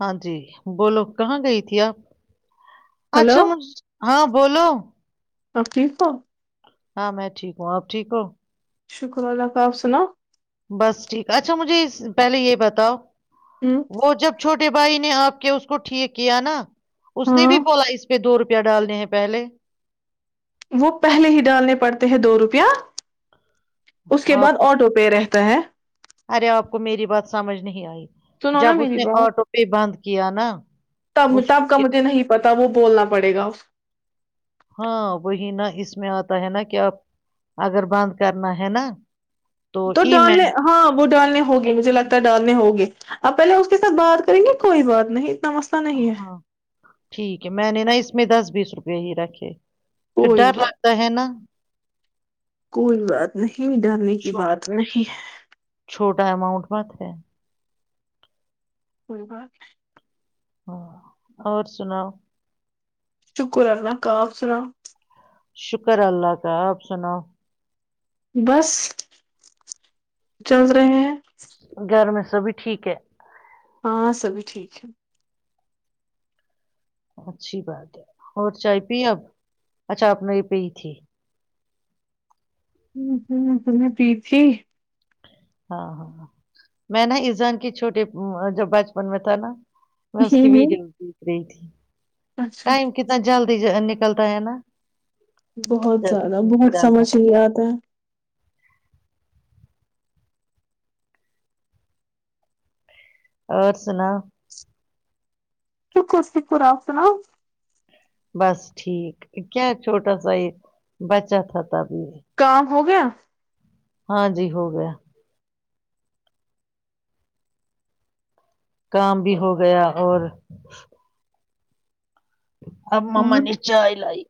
ہاں جی بولو کہاں گئی تھی آپ ہلو اچھا مج ہاں بولو حقیفا ہاں میں ٹھیک ہوں آپ ٹھیک ہو شکر اللہ کا آپ سنا بس ٹھیک اچھا مجھے پہلے یہ بتاؤ ہ وہ جب چھوٹے چھٹے بھائی نے آ کے اس کو ٹھیک کیا نا اس نے ہاں بھی بولا اس پہ دور پیا ڈالنے ہیں پہلے وہ پہلے ہی ڈالنے پڑتے ہیں دو روپیہ اس کے بعد آپ کو آٹو پے رہتے ہے [unintelligible] ارے آپ کو میری بات سمجھ نہیں آئی سنو نا جب اس نے آٹو پے بند کیا نا ب اس کو متاب کا کہ- مجھے نہیں پتا ت وہ بولنا پڑے گا ہاں وہی نا اس میں آتا ہے نا کہ آپ اگر بند کرنا ہے نا تو ای ڈالنے مین ہاں وہ ڈالنے ہوگی مجھے لگتا ڈالنے ہگے آپ پہلے اس کے ساتھ بات کریں گے کوئی بات نہیں اتنا مسئلہ نہیں ہے ہاں ٹھیک ہے میں نے نا اس میں دس بیس روپئے ہی رکھے پھر کوئی ڈر بات لگتا ہے نا کوئی بات نہیں ڈرنے کی چھو- بات نہیں ہے چھوٹا اماؤنٹ مت ہے کوئی بات ہاں اور سناؤ شکر کرنا کاف سنا شکر اللہ کا آپ سناؤ بس چل رہے ہیں گھر میں سبھی ٹھیک ہے ہاں سبب بھی ٹھیک ہے اچھی بات ہے اور چائے پی اب اچھا اپپ نے یہ پی تھی ہ ہ ت نے پی تھی ہاں ہاں ہاں۔ میں نا اسسان کی چھوٹے جب بچپن میں تھا نا بس ہوں کی بھی ہوں جری گئی تھی [unintelligible] اچھا ٹائم کتنا جلد نک نکلتا ہے نا [unintelligible] بہت جب اس زیادہ میں بہت چلنا سمجھ ل آتا ہے اور سنا شکر شکر آپتنا بس ٹھیک کیا چھوٹا سا یہ بچا تھا ت بھیھی [unintelligible] کام ہو گیا [unintelligible] ہاں جی ہو گیا کام بھی ہو گیا اور آ مما اور نے چائے لائی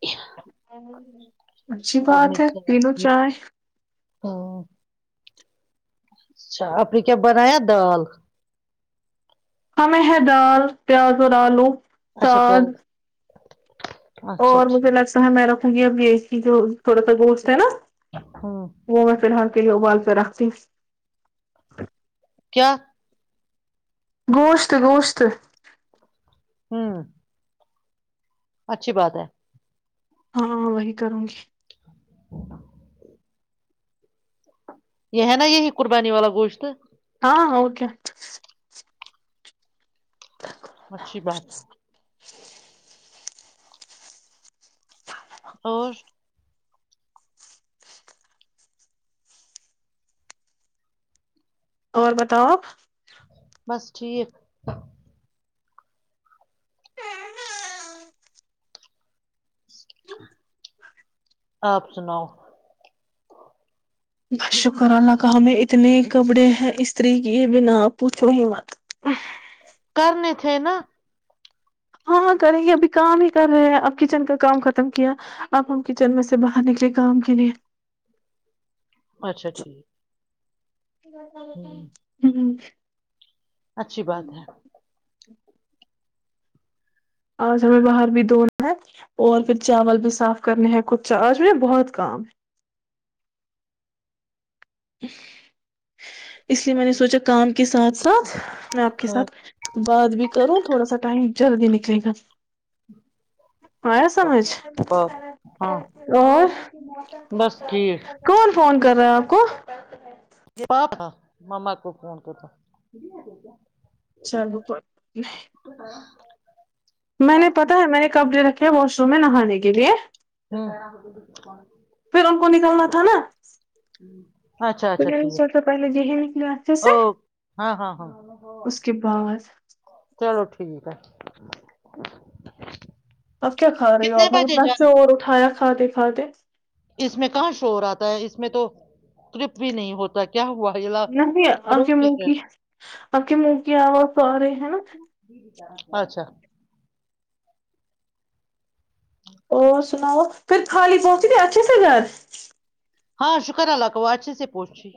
اچھی بات ہے تینوں چائے ہاں اچھا آپ نے کیا بنایا دال ہے دال پیاز اور آلو اچھا پیاز ساگ اچھا اور مجھے ٹھیک لگتا ہے میر یہب یہ کی جو تھوڑا سا گوشت ہے نا ہوں وہ میں فی الحال کے ابال پ رکھتی کیا گوشت گوشت ہاں اچھی بات ہے ہاں وہی کروں گی یہ ہے نا یہی قربانی والا گوشت ہاں اوکے ہ اچھی بات ہے ج اور اور بتاؤ آپ بس ٹھیک آپ سناؤ ب شکر اللہ کہا ہم اتنے کپڑے ہیں استری کی یہ بنا آپ پوچھو ہی مت کرنے تھے نا ہاں ہاں کریں گے ابھی کام ہی کر رہے ہیں اب کچن کا کام ختم کیا اب ہم کچن میں سے باہر نکلے کام کے لیے اچھا ٹھیک ہوں ہ اچھی بات ہے آج ہمیں باہر بھی دھونا ہے اور پھر چاول بھی صاف کرنے ہیں کچا آج ہم بہت کام ہے اس لیے میں نے سوچا کام کے ساتھ ساتھ میں آپ کے ہاں ساتھ بات بھی کروں تھوڑا سا ٹائم جلدی نکلے گا آیا سمجھ باپ ہاں اور بس ٹھیک کون فون کرا کو پاپ مما کو فون کرتا چل پ میں نے پتا ہے میں نے کب ڈے رکھا واش روم میں نہانے کے لیے ہو پھر ان کو نکلنا تھا نا ہوں تو نے سوا پہلے یہ نکل اچھے سے او ہاں ہاں ہاں اس کے بعد چلو ٹھیک ہے [unintelligible] اب کیا کھا رہی ہو کتنے آپ میں بجے اتنا جانا چور اٹھایا کھات کھاتے [unintelligible] اس میں کہاں شور آتا ہے اس میں تو کرپ بھی نہیں ہوتا کیا ہوا یہ لا نہیں اک روتی منہ ہے کی اک منہ کی آواز س رہے ہے نا اچھا [unintelligible] اور سناؤ پھر خالی پوچی تھے اچھے سے گھر ہاں شکر اللہ کو اچھے سے پہنچی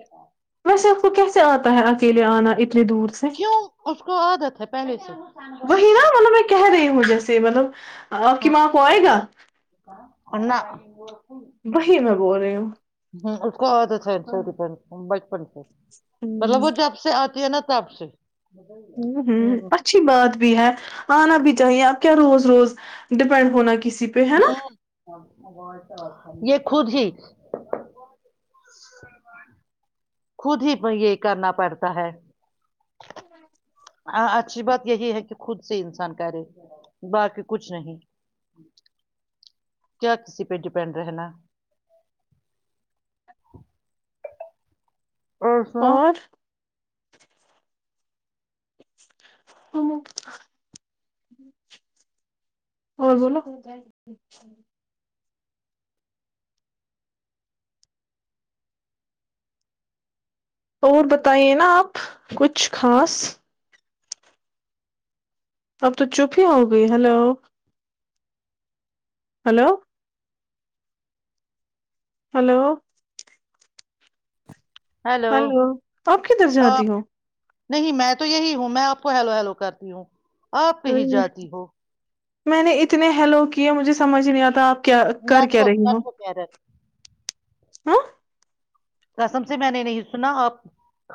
آ کو کیسے آتا ہے اکیلے آنا [unintelligible] سے کیوں اس کو عادت ہے پہلے سے سے مطلب [unintelligible] آ کی ماں کو آئے گا انا [unintelligible] وہی میں بول رہی ہوں ہ اس کو عادت ہے بچپن سے [unintelligible] مطلب وہ جب سے ا نہ تپ سے [unintelligible] ہوں ہوں اچھی بات بھی ہے آنا بھی چاہیے اب کیا روز روز ڈیپینڈ ہونا کہ [unintelligible] ہاں [unintelligible] خود ہی خود ہی یہ کرنا پڑتا ہے [unintelligible] ہ اچھی بات یہی ہے کہ خود سے انسان کرے باقی کچھ نہیں کیا کسی پہ ڈیپینڈ رہنا ا ہوں ج [inaudible] اور بولو [unintelligible] اور بتائیے نا آپ کچھ خاص اب تو چپ ہی ہو گئی hello hello hello hello hello آپ کدھر ہاں جاتی ہو نہیں میں تو یہی ہوں میں آپ کو ہیلو ہیلو کرتی ہوں آپ کہ ہی جاتی ہو [unintelligible] میں نے اتنے ہیلو کیے مجھے سمجھ نہیں آتا آپ کیا کر کیا نیٹورک رہی ہووں نیٹورک ایرر [unintelligible] ہاں [unintelligible] کسم سے میں نے نہیں سنا آپ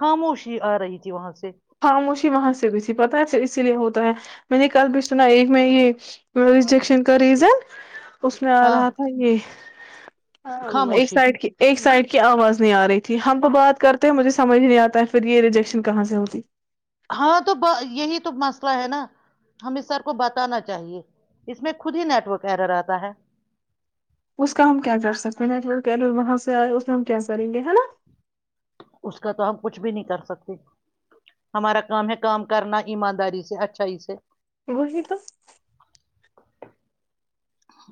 خاموشی آ رہی تھی وہاں سے خاموشی وہاں سے گئی تھی پت ہے اس اسی لیے ہوتا ہے میں نے کل بھی سنا ایک میں یہ ج [unintelligible] ریجیکشن کا ریزن اس میں آ ہاں رہا تھا یہ ہاں ایک خاموشی سائڈ کی ایک سائڈ کی آواز نہیں آ رہی تھی ہم تو بات کرتے ہیں مجھے سمجھ نہیں آتا ہے پھر یہ ریجیکشن کہاں سے ہوتی ہاں تو یہی تو مسئلہ ہے نا ہم اس سر کو بتانا چاہیے اس میں خود ہی نیٹورک ایرا رہتا ہے اس کا ہم کیا کر سکتے ہیں نیٹ وہاں سے آئے اس میں ہم کیا کریں گے نا اس کا تو ہم کچھ بھی نہیں کر سکتے ہمارا کام ہے کام کرنا ایمانداری سے اچھائی سے وہی تو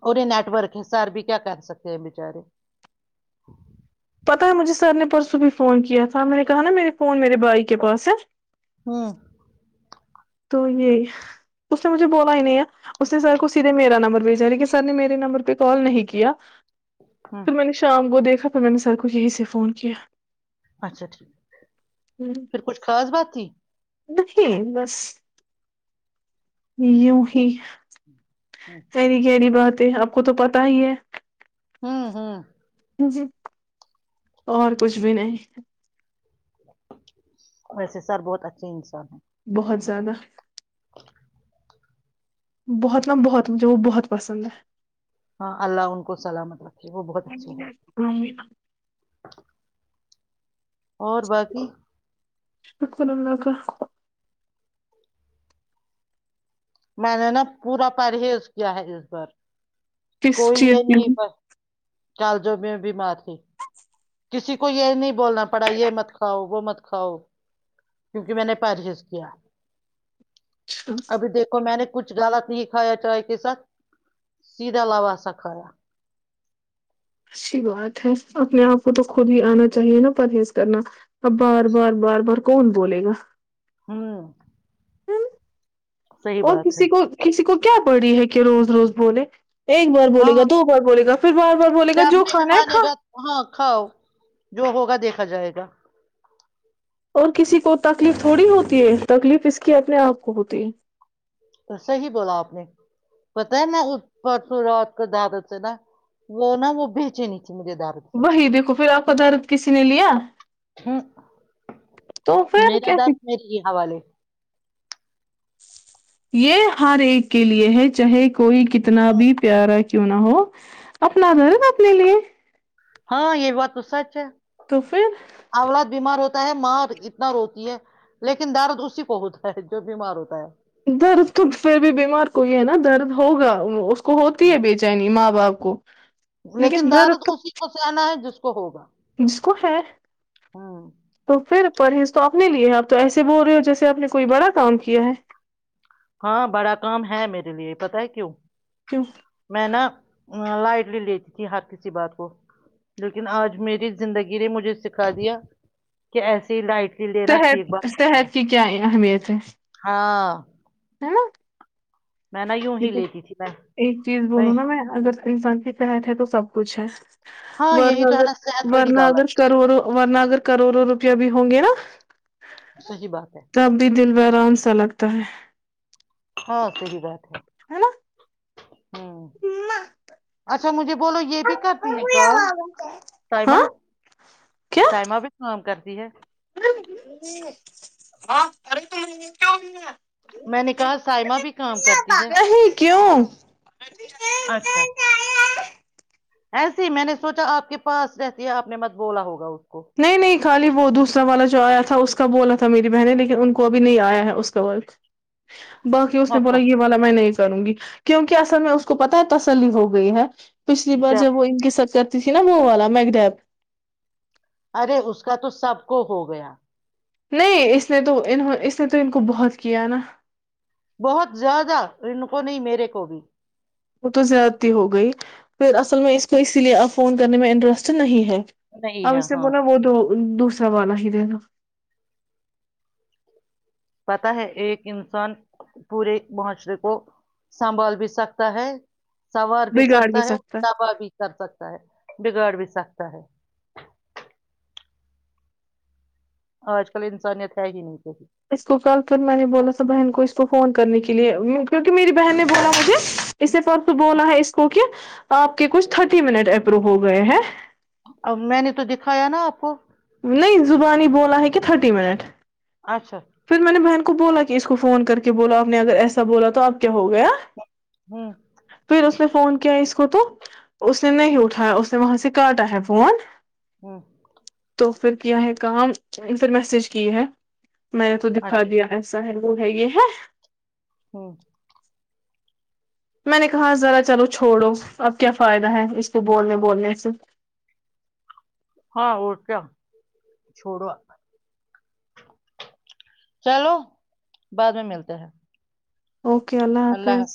اور یہ نیٹورک ح سر بھی کیا کر سکے بچارے پتا ہے مجھے سر نے پرسوں بھی فون کیا تھا میں نے کہا نا میرے فون میرے بھائی کے پاس ہے ہوں تو یہی اس نے مجھے بولا ہی نہیں ہے اس نے سر کو سیدھے میرا نمبر بھیجا لیک کہ سر نے میرے نمبر پہ کال نہیں کیا ہوں پھر میں نے شام کو دیکھا تھا تو میں نے سر کو یہی سے فون کیا اچھا ٹھیک ہے پھر کچھ خاص بات تھی نہیں بس یوں ہی سری کہڑی بہت آپ کو تو پتا ہی ہے ہوں ہوں جی اور کچھ بھی نہیں ویسے سر بہت اچھے انسان ہیں بہت زیادہ [unintelligible] بہت نا بہت مجھے وہ بہت پسند ہے ہاں اللہ ان کو سلامت رکھے وہ بہت اچے ہے بائے اور باقی شکر اللہ میں نے نا پورا پرہیز کیا ہے اس بار کس چیز کے کالج میں بی مار تھی کسی کو یہ نہیں بولنا پڑا یہ مت کھاؤ وہ مت کھاؤ کیونکہ میں نے پرہیز کیا اچھا ابھی دیکھو میں نے کچھ غالت نہیں کھایا چائے کے ساتھ سیدھا ع لوہ سا کھایا اچھی بات ہے اپنے آپ کو تو خود ہی آنا چاہیے نا پرہیز کرنا اب بار بار بار بار کون بولے گا ہ [unintelligible] ہوں [unintelligible] اور کسی کو کسی کو کیا بڑی ہے کہ روز روز بولے ایک بار بولے ہاں گا دو بار بولے گا پھر بار بار بولے گا جب جو نہیں کھانا ہے مانے کھا گا ہاں کھاؤ جو ہوگا دیکھ رکھا جائے گا اور کسی کو تکلیف تھوڑی ہوتی ہے تکلیف اس کی اپنے آپ کو ہوتی تو صحیح بولا آپ نے پتا ہے نا اس پرس رات کو دادت سے نا وہ نا وہ بیچے نہیں چمج د آارپ سر کد روپ کسی نے لیا ہ تو پھر میرا کیا درد م ہی حوالے یہ ہر ایک کے لیے ہے چاہے کہ کوئی کتنا بھی پیارا کیوں نہ ہو اپنا د د ن اپنے لیے ہاں یہ بات تو سچ ہے کفر [inaudible] اولاد بیمار ہوتا ہے ماں اتنا روتی ہے لیکن درد اسی کو ہوتا ہے جو بیمار ہوتا ہے درد تو پھر بھی بیمار کوئی ہے نا درد ہوگا کو ہوتی ہے بےچینی ماں آ کو [inaudible] لیکن دارد درد تو اسی کو سے آنا ہے جس کو ہوگا جس کو ہے ہوں تو پھر پرہیز تو اپنے لیے ہے آپ تو ایسے بول رہے ہو جیسے آپ نے کوئی بڑا کام کیا ہے ہاں بڑا کام ہے میرے لیے پتا ہے کیوں کیکوف میں نا لائٹ لے لیتی تھی ہر کسی بات کو لیکن آج میری زندگی نے مجھے سکھا دیا کہ ایسیے ہی لائٹ صحت صحت کی کیا اہمیت ہے ہاں [inaudible] میں نا یوں ہی لیکن لیتی تھی میں ایک چیز بولوں نا میں اگر انسان کے تت ہے تو سب کچھ ہے ہاں ورن یہی تو ہے اگر نا صحت بڑی ورنہ دولت اگر کروڑوں ورنہ اگر کروڑوں روپ بھی ہوں گے نا ہے۔ صحیح بات ہے [inaudible] تب بھی دل برام سے اچھا لگتا ہے [inaudible] ہاں [inaudible] صحی بات ہے [inaudible] ہوں نہ [unintelligible] اچھا مجھے بولو یہ بھی کرتی ہے [unintelligible] رم سائمہ ہاں [unintelligible] کیا سائمہ بھی سام کرتی ہے [unintelligible] ہ ارے تو کیاا میں نے کہا سائمہ بھی کام کرتی ہے [unintelligible] نہیں کیوں اچھا [unintelligible] ایسے ہی میں نے سوچا آپ کے پاس رہتی ہے آپ نے مت بولا ہوگا اس کو نہیں نہیں خالی وہ دوسرا والا جو [unintelligible] جو آیا تھا اس کا بولا تھا میری بہن لیکن ان کو ابھی نہیں آیا ہے اس کا ورت [unintelligible] باقی اس نے بولا اچھا یہ والا میں نے [unintelligible] کروں گی کیونکہ اصل میں اس کو پتا ہے تسلی ہو گئی ہے [unintelligible] پچھلی بار کیا جب وہ ان کی سرکت [unintelligible] نا موہ والا میکڈیپ [unintelligible] ارے اس کا تو سب کو ہو گیا نہیں اس نے تو انوں اس نے تو ان کو بہت کیا نا [unintelligible] بہت زیادہ رن کووں نہیں میرے کو بھی وہ تو زیاد ت ہو گئی پھر اصل میں اس کو اسی لیے فون کرنے میں انٹرسٹ نہیں ہے نہیں [unintelligible] اور ہے سے ہاں بلا وہت دو [unintelligible] ساوا ہی دین [unintelligible] پتا ہے ایک انسان پورے معاشرے کو سنبھال بھی سکتا ہے سنار بھی سکتا ہے اوربا بھی کر سکتا ہے بگڑ بھی سکتا ہے [unintelligible] آج کل انسانیت ہے ہی نہیں کہیں اس کو کل پھر میں نے بولا سا بہن کو اس کو [unintelligible] فون کرنے کے لیے کیونکہ میری بہن نے بولا مجھے [unintelligible] اسے فقت بونا ہے اس کو کہ [unintelligible] آپ کے کچھ تھرٹی منٹ اپرو ہو گئے ہیں [unintelligible] اب میں نے تو دکھایا نا آپ کو نہیں زبانی بولا ہے کہ تھرٹی منٹ [unintelligible] اچھا [unintelligible] پھر میں نے بہن کو بولا کہ اس کو فون کر کے بولا آپ نے اگر ایسا بولا تو اب کیا ہو گیا [unintelligible] ہوں [unintelligible] پھر اس نے فون کیا اس کو تو اس نے نہیں اٹھا اس نے وہاں سے کاٹا ہے فون [unintelligible] ہوں [unintelligible] تو پھر کیا ہے کام پھر میسج کیے ہے [unintelligible] میں تو دکھا اچھا دیا ایسا ہے [unintelligible] وہ ہےگی ہے [unintelligible] ہوں [unintelligible] میں نے کہا ذرا چلو چھوڑو اب کیا فائدہ ہے اس کو بولنے بولنے سے ہاں وہ کیا چھوڑو چلو بعد میں ملتے ہیں اوکے اللہ حافظ